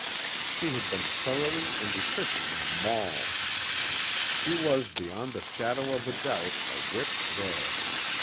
She had been thoroughly and efficiently mauled. She was beyond the shadow of a doubt a whipped bear.